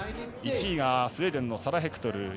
１位がスウェーデンのサラ・ヘクトル。